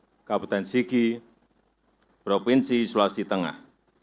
di kabupaten sigi provinsi sulawesi tengah